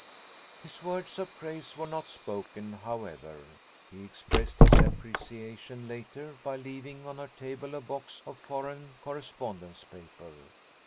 His words of praise were not spoken, however. He expressed his appreciation, later, by leaving on her table a box of foreign correspondence paper.